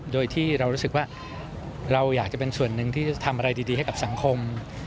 โดยที่เรารู้สึกว่าเราอยากจะเป็นส่วนหนึ่งที่จะทำอะไรดีให้กับสังคม